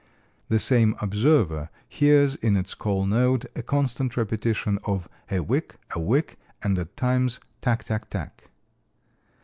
The same observer hears in its call note a constant repetition of a wick, a wick and at times tack tack tack.